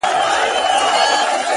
ته چي قدمونو كي چابكه سې؛